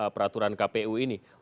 peraturan kpu ini